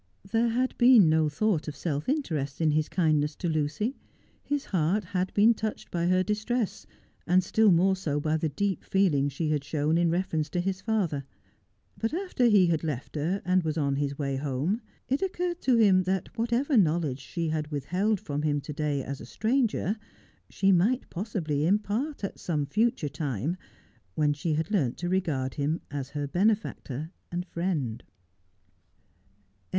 There had been no thought of self interest in his kindness to Lucy. His heart had been touched by her distress, and still more so by the deep feeling she had shown in reference to his father. But after he had left her, and was on his way home, it occurred to him that whatever knowledge she had withheld from him to day as a stranger, she might possibly impart at some future time, when she had learnt to regard him as her benefactor and friend.